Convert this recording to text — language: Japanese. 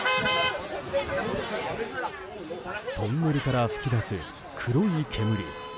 トンネルから噴き出す黒い煙。